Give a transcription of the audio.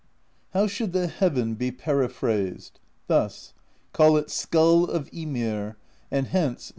"How should the heaven be periphrased? Thus: call it Skull of Ymir, and hence.